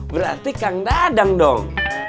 berarti kang dadang dong